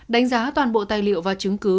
đánh giá toàn bộ tài liệu và chứng cứ